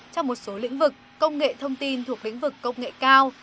trong một số lĩnh vực công nghệ thông tin thuộc lĩnh vực công nghệ cao